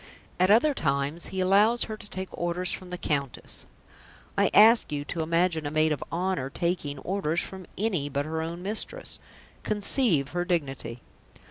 At other times he allows her to take orders from the Countess; I ask you to imagine a maid of honour taking orders from any but her own mistress. Conceive her dignity!